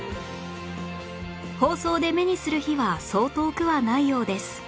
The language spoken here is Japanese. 放送で目にする日はそう遠くはないようです